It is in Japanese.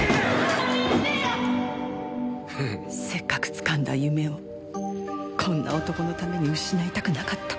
せっかくつかんだ夢をこんな男のために失いたくなかった。